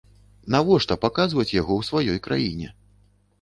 Навошта паказваць яго ў сваёй краіне?